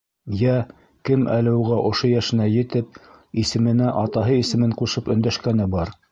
Йә, кем әле уға ошо йәшенә етеп исеменә атаһы исемен ҡушып өндәшкәне бар?